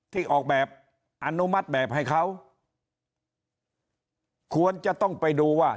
ที่ออกแบบอนุมัติแบบให้เขาควรจะต้องไปดูว่า